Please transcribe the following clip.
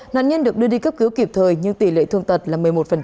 nạn nhân được đưa đi cấp cứu kịp thời nhưng tỷ lệ thương tật là một mươi một